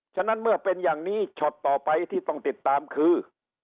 ฉะนั้นเมื่อเป็นอย่างนี้ช็อตต่อไปที่ต้องติดตามคือ